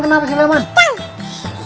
si leman ada jodoh polisi tepik